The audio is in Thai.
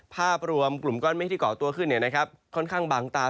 ภาพรวมกลุ่มก้อนเมฆที่เกาะตัวขึ้นค่อนข้างบางตา